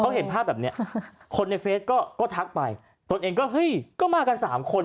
เขาเห็นภาพแบบนี้คนในเฟสก็ทักไปตนเองก็เฮ้ยก็มากันสามคน